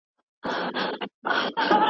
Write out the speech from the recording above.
پۀ پښتنه خاوره دوه ځلې کونډه شومه